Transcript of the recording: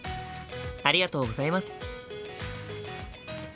ありがとうございます。